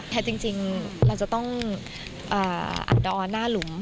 แท้จริงเราจะต้องอัดดออนน่าหลุม